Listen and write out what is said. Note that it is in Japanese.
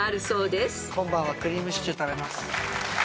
今晩はクリームシチュー食べます。